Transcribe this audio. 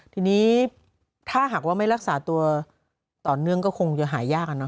ทีนี้ถ้าหากว่าไม่รักษาตัวต่อเนื่องก็คงจะหายาก